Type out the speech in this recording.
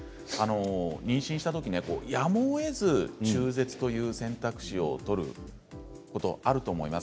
妊娠したとき、やむをえず中絶という選択肢を取るということがあると思います。